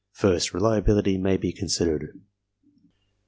First, reliability may be considered.